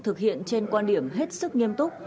thực hiện trên quan điểm hết sức nghiêm túc